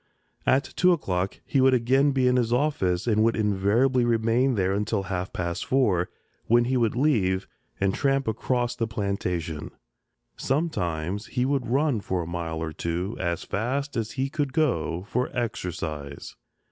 At two o'clock he would again be in his office and would invariably remain there until half past four, when he would leave and tramp across the plantation; sometimes he would run for a mile or two, as fast as he could go, for exercise.